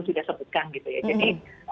sudah sebutkan gitu ya jadi